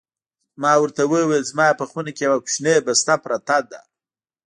ما ورته وویل: زما په خونه کې یوه کوچنۍ بسته پرته ده.